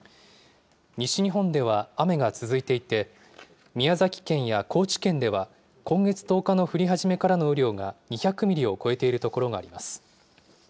西日本では雨が続いていて、宮崎県や高知県では、今月１０日の降り始めからの雨量が２００ミリを超えている所があります。